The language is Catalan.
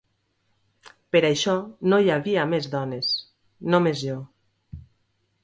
Per això no hi havia més dones, només jo...